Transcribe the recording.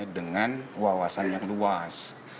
dengan wawasan yang luas